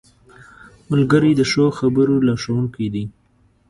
ملګری د ښو خبرو لارښوونکی دی